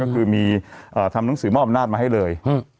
ทำหนังสือหม้ออำนาจมาให้เลย